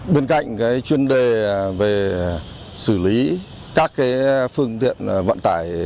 bên cạnh chuyên đề về xử lý các phương tiện vận tải